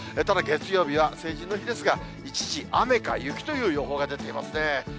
ただ月曜日は成人の日ですが、一時、雨か雪という予報が出てますね。